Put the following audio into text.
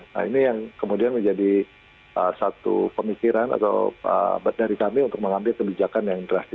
nah ini yang kemudian menjadi satu pemikiran atau dari kami untuk mengambil kebijakan yang drastis